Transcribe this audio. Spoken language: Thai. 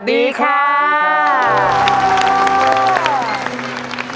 สวัสดีครับ